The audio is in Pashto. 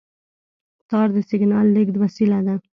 تار د سیګنال لېږد وسیله ده.